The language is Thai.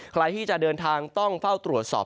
ใครที่จะเดินทางต้องเฝ้าตรวจสอบ